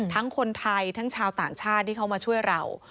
ทั้งคนไทยทั้งชาวต่างชาติที่เขามาช่วยเรา